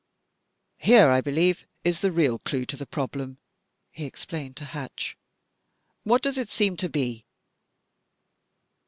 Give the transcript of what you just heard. "Here, I believe, is the real clue to the problem," he explained to Hatch. "What does it seem to be?"